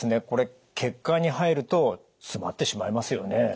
これ血管に入ると詰まってしまいますよね。